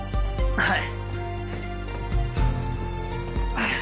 はい。